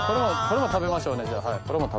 これも食べましょうね。